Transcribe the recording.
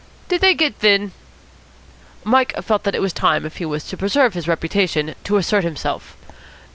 "Did they git thin?" Mike felt that it was time, if he was to preserve his reputation, to assert himself.